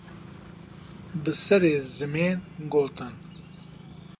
Bi serê zimên gotin